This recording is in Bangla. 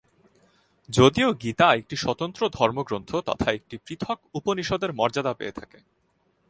যদিও "গীতা" একটি স্বতন্ত্র ধর্মগ্রন্থ তথা একটি পৃথক উপনিষদের মর্যাদা পেয়ে থাকে।